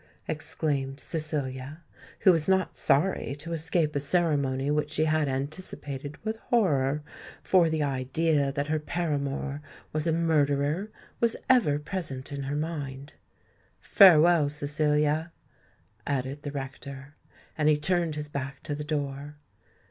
exclaimed Cecilia, who was not sorry to escape a ceremony which she had anticipated with horror—for the idea that her paramour was a murderer was ever present in her mind. "Farewell, Cecilia," added the rector; and he turned his back to the door.